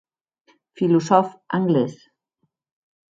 Filosòf anglés.